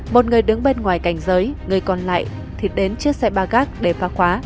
một người đứng bên ngoài cảnh giới người còn lại thì đến chiếc xe ba gác để phá khóa